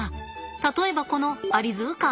例えばこの「アリヅカ」。